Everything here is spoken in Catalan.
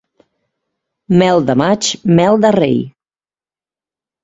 Mel de maig, mel de rei.